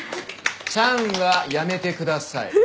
「ちゃん」はやめてください。